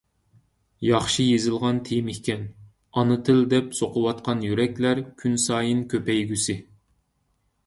ياخشى يېزىلغان تېمىكەن. «ئانا تىل» دەپ سوقۇۋاتقان يۈرەكلەر كۈنسايىن كۆپەيگۈسى!